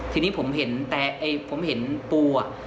ทีนี้ผมเห็นแต่ผมเห็นปูอ่ะ